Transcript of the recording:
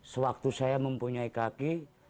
sewaktu saya mempunyai kaki